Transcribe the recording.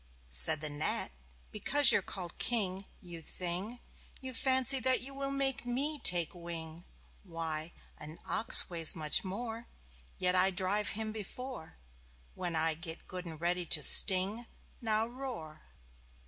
Said the Gnat: "Because you're called King you thing! You fancy that you will make me take wing. Why, an ox weighs much more, Yet I drive him before When I get good and ready to sting. Now, roar!"